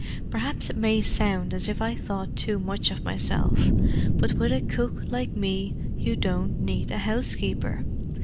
Perhaps it may sound as if I thought too much of myself, but with a cook like me you don't need a housekeeper.